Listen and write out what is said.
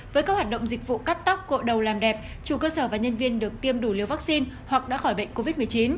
với các hoạt động dịch vụ cắt tóc cội đầu làm đẹp chủ cơ sở và nhân viên được tiêm đủ liều vaccine hoặc đã khỏi bệnh covid một mươi chín